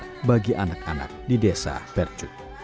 tempat belajar bagi anak anak di desa percut